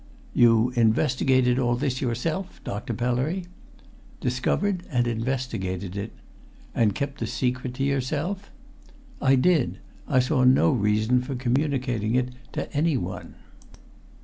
"You investigated all this yourself, Dr. Pellery?" "Discovered and investigated it." "And kept the secret to yourself?" "I did. I saw no reason for communicating it to anyone."